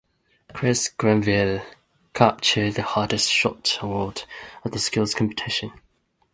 Chris Grenville captured the hardest shot award at the skills competition.